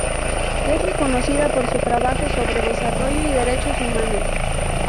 Es reconocida por su trabajo sobre Desarrollo y Derechos Humanos.